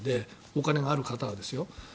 お金がある方はですよ。